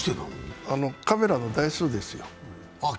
カメラの台数ですよ。